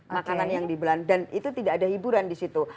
makanan yang dibelan dan itu tidak ada hiburan di situ